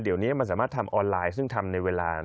เดี๋ยวนี้มันสามารถทำออนไลน์ซึ่งทำในเวลา